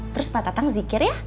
terus pak tatang zikir ya